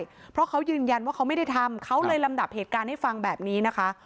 เพราะเขายืนยันว่าเขาไม่ได้ทำเขาเลยลำดับเหตุการณ์ให้ฟังแบบนี้นะคะ